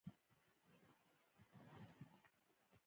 نورې رابطې یې کمرنګې کړې وي.